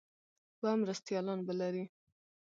دوه مرستیالان به لري.